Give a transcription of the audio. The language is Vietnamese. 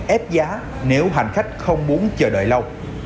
ép giá nếu hành khách không muốn chờ đợi lâu